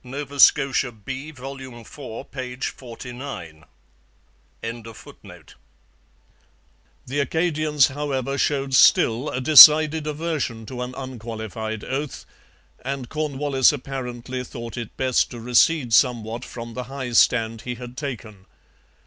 Nova Scotia B, vol. iv, p. 49.] The Acadians, however, showed still a decided aversion to an unqualified oath; and Cornwallis apparently thought it best to recede somewhat from the high stand he had taken.